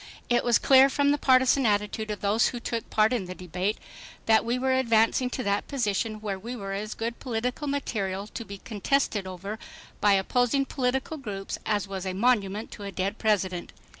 It was clear from the partisan attitude of those who took part in the debate that we were advancing to that position where we were as good political material to be contested over by opposing political groups as was a monument to a dead President.